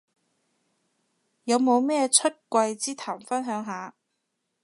有冇咩出櫃之談分享下